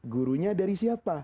gurunya dari siapa